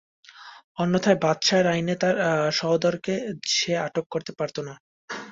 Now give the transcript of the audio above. অন্যথায় বাদশাহর আইনে তার সহোদরকে সে আটক করতে পারত না।